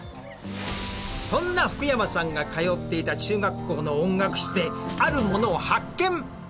そんな福山さんが通っていた中学校の音楽室である物を発見！！